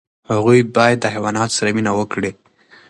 هغوی باید د حیواناتو سره مینه وکړي.